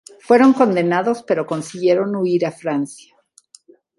Fueron condenados, pero consiguieron huir a Francia.